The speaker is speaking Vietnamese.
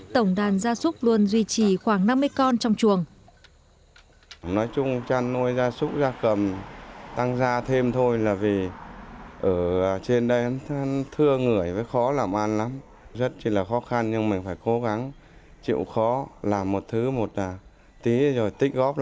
tổng đàn gia súc luôn duy trì khoảng năm mươi con trong chuồng